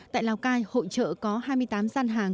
tại lào cai hội trợ có hai mươi tám gian hàng